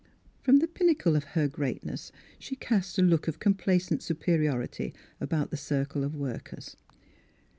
From the pinnacle of her greatness she cast a look of complacent superiority about the circle of workers.